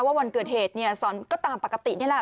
ว่าวันเกิดเหตุสอนก็ตามปกตินี่แหละ